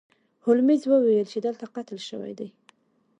هولمز وویل چې دلته قتل شوی دی.